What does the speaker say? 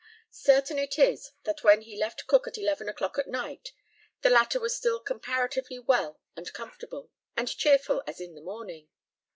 Certain it is, that when he left Cook at eleven o'clock at night, the latter was still comparatively well and comfortable, and cheerful as in the morning.